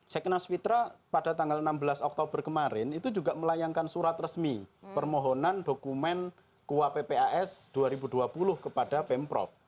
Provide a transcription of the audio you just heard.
seknas fitra pada tanggal enam belas oktober kemarin itu juga melayangkan surat resmi permohonan dokumen kuap ppas dua ribu dua puluh kepada pemprov